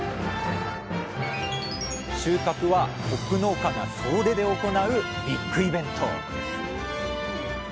収穫はホップ農家が総出で行うビッグイベントです